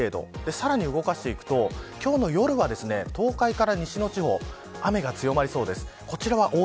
さらに動かしていくと今日の夜は東海から西の地方雨が強まりそうです。